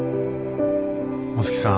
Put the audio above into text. お月さん